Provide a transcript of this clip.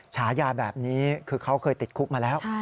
ฉายาแบบนี้คือเขาเคยติดคุกมาแล้ว